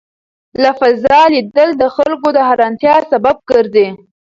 له فضا لیدل د خلکو د حېرانتیا سبب ګرځي.